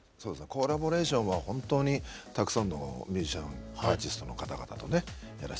コラボレーションは本当にたくさんのミュージシャンアーティストの方々とねやらせていただいていますからね。